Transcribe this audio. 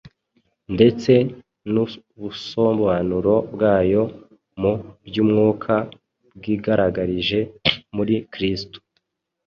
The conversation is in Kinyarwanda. ndetse n’ubusobanuro bwayo mu by’umwuka bwigaragarije muri Kristo.